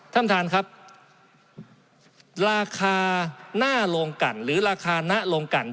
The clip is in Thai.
ท่านท่านครับราคาน่าลงกรรณ์หรือราคาน่าลงกรรณ์